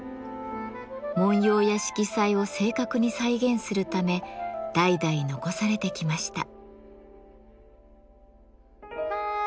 紋様や色彩を正確に再現するため代々残されてきました。